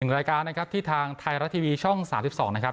นี่คือรายการที่ทางไทยรัตทีวีช่อง๓๒นะครับ